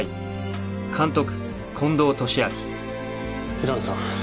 平野さん。